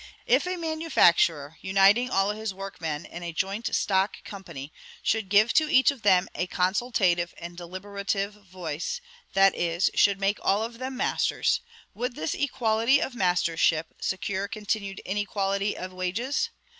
If a manufacturer, uniting all his workmen in a joint stock company, should give to each of them a consultative and deliberative voice, that is, should make all of them masters, would this equality of mastership secure continued inequality of wages?